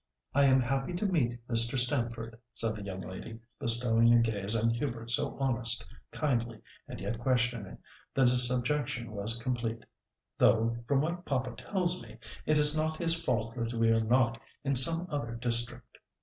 "I am happy to meet Mr. Stamford," said the young lady, bestowing a gaze on Hubert so honest, kindly, and yet questioning, that his subjection was complete. "Though, from what papa tells me, it is not his fault that we are not in some other district."